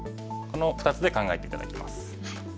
この２つで考えて頂きます。